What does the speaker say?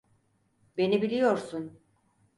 Beni biliyorsun.